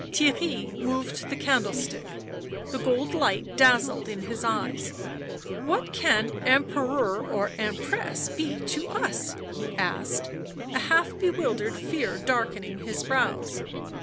Theirry moved the candlestick ; the gold light dazzled in his eyes ." What can Emperor or Empress be to us ?" he asked, a half bewildered fear darkening his brows.